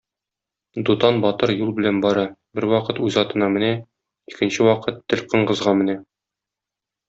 Дутан батыр юл белән бара, бервакыт үз атына менә, икенче вакыт Тел-Коңгызга менә.